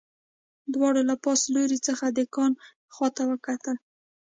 دواړو له پاس لوري څخه د کان خواته وکتل